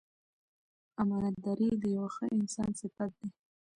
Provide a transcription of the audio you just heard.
امانتداري د یو ښه انسان صفت دی.